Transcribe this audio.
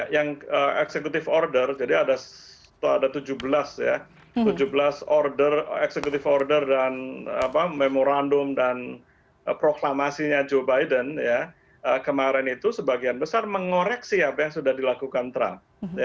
yang executive order jadi ada tujuh belas order executive order dan memorandum dan proklamasinya joe biden kemarin itu sebagian besar mengoreksi apa yang sudah dilakukan trump